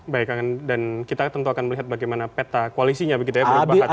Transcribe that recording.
baik dan kita tentu akan melihat bagaimana peta koalisinya begitu ya merupakan